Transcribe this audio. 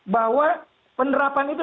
bahwa penerapan itu